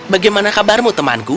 bagaimana kabarmu temanku